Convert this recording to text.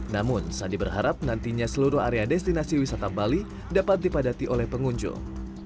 namun sandi berharap nantinya seluruh area destinasi wisata bali dapat dipadati oleh pengunjung